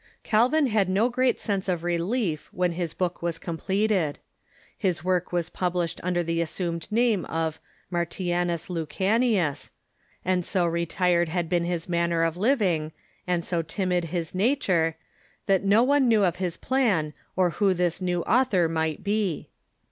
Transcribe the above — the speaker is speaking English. Calvin had no great sense of relief when his book was com pleted. His work was published under the assumed name of " Martianus Lucanius," and so retired had been his Return to j^^^nner of living, and so timid his nature, that no Geneva . i i i • i • i one knew of his plan or who this new author might be.